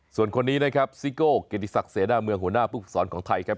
ส่วนคนนี้ซิโก้เกดีศักดิ์เสด้าเมืองหัวหน้าผู้สอนของไทยครับ